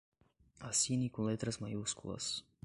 Assine com letras maiúsculas